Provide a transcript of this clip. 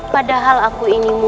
padahal aku masih ingin mencarimu